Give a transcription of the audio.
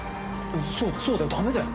そうそうだよダメだよ。